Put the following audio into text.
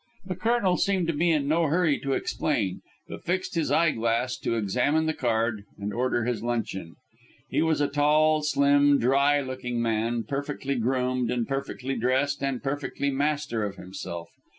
The Colonel seemed to be in no hurry to explain, but fixed his eyeglass to examine the card, and order his luncheon. He was a tall, slim, dry looking man, perfectly groomed and perfectly dressed and perfectly master of himself.